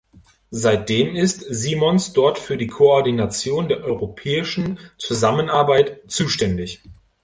Seitdem ist Simons dort für die Koordination der europäischen Zusammenarbeit zuständig.